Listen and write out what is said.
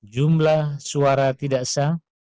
jumlah suara tidak sah